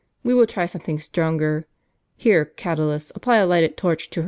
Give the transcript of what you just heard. We will try some thing stronger. Here, Catulus, apply a lighted torch to her sides."